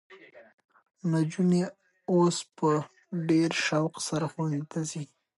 نجونې اوس په ډېر شوق سره ښوونځي ته ځي.